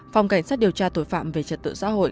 phòng cảnh sát điều tra tội phạm về trật tự xã hội